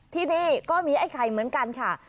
ที่นี่ก็มีไอ้ไข่เหมือนกันค่ะ